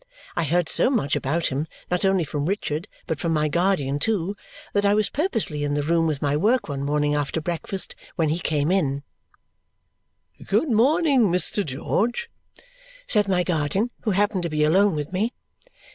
I heard so much about him, not only from Richard, but from my guardian too, that I was purposely in the room with my work one morning after breakfast when he came. "Good morning, Mr. George," said my guardian, who happened to be alone with me.